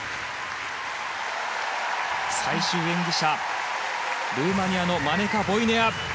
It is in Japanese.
最終演技者、ルーマニアのマネカ・ボイネア。